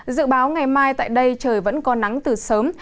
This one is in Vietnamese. dự báo ngày mai tại đây trời vẫn có nắng từ sớm